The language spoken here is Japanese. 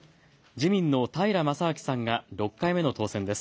自民の平将明さんが６回目の当選です。